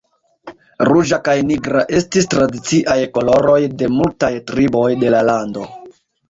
Ruĝa kaj nigra estis tradiciaj koloroj de multaj triboj de la lando.